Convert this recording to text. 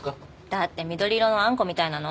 だって緑色のあんこみたいなの？